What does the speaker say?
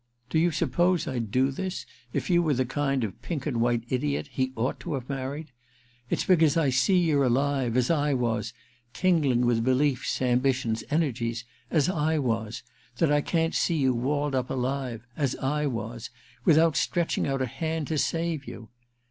Do you suppose I'd do this if you were the kind of pink and white idiot he ought to have married ? It's because I X 3o6 THE QUICKSAND iii see you're alive, as I was, tingling with beliefs, ambitions, energies, as I was — ^that I can't see you walled up dive, as I was, without stretching out a hand to save you